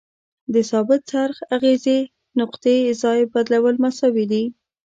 د ثابت څرخ اغیزې نقطې ځای بدلول مساوي دي.